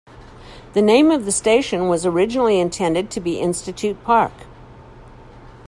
The name of the station was originally intended to be Institute Park.